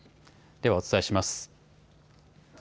ではお伝えします。